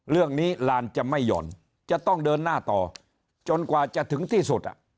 ลานจะไม่หย่อนจะต้องเดินหน้าต่อจนกว่าจะถึงที่สุด